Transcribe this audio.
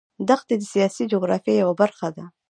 دښتې د سیاسي جغرافیه یوه برخه ده.